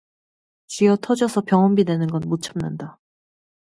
쥐어 터져서 병원비 내는 건 못 참는다